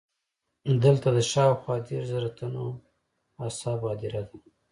دلته د شاوخوا دېرش زره تنو اصحابو هدیره ده.